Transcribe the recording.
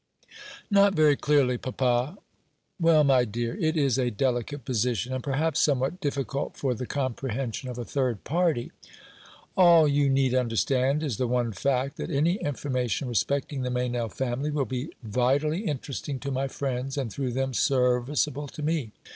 "Not very clearly, papa." "Well, my dear, it is a delicate position, and perhaps somewhat difficult for the comprehension of a third party. All you need understand is the one fact, that any information respecting the Meynell family will be vitally interesting to my friends, and, through them, serviceable to me.